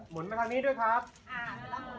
ลองขอของชุดเก็ต